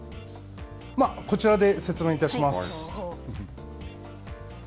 こちらで説明いたします。